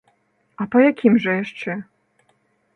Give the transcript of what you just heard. А па якім жа яшчэ?